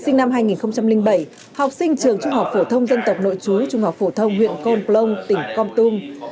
năm hai nghìn bảy học sinh trường trung học phổ thông dân tộc nội chú trung học phổ thông huyện con plông tỉnh com tung